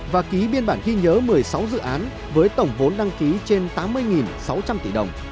và ký biên bản ghi nhớ một mươi sáu dự án với tổng vốn đăng ký trên tám mươi sáu trăm linh tỷ đồng